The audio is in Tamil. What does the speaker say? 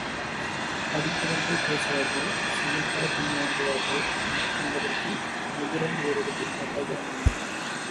படித்தவர்கள் பேசுவார்கள் செயல்படப் பின்வாங்குவார்கள் என்பதற்கு விதுரன் ஒர் எடுத்துக்காட்டாக அமைந்தான்.